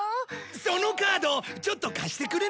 そのカードちょっと貸してくれないか？